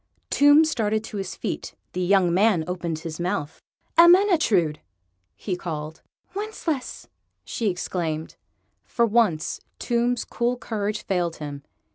Tomb started to his feet. The young man opened his mouth. "Ermyntrude!" he called. "Wencheslaus!" she exclaimed. For once Tomb's cool courage failed him.